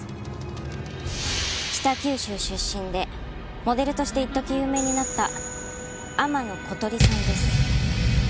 北九州出身でモデルとして一時有名になった天野琴里さんです。